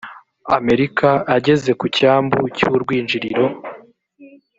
amerika ageze ku cyambu cy urwinjiriro